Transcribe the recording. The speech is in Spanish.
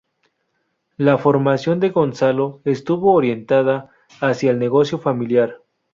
La formación de Gonzalo estuvo orientada hacia el negocio familiar.